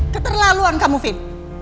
keterlaluan kamu vin